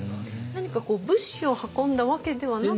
何か物資を運んだわけではなくて。